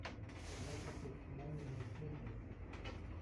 "Teraz jesteś przynajmniej mężczyzną!"